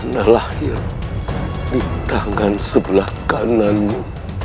pernah lahir di tangan sebelah kananmu